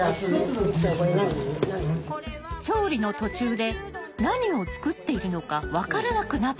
調理の途中で何を作っているのか分からなくなった人が。